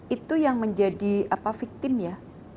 itu yang menjadi victim ya